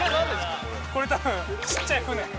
これ多分ちっちゃい船